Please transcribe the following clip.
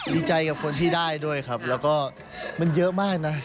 ดีใจกับคนที่ได้ด้วยครับแล้วก็มันเยอะมากนะ